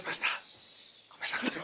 ごめんなさい。